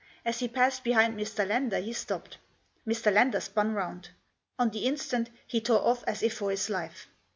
As he passed behind Mr. Lander he stopped. Mr. Lander spun round. On the instant he tore off as if for his life.